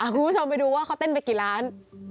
คุณผู้ชมไปดูว่าเขาเต้นไปกี่ล้าน